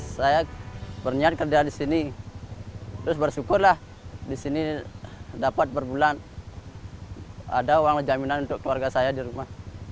saya berniat kerja di sini terus bersyukurlah di sini dapat berbulan ada uang jaminan untuk keluarga saya di rumah